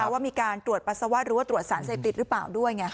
ว่ามีการตรวจปัสสาวะหรือว่าตรวจสารเสพติดหรือเปล่าด้วยไง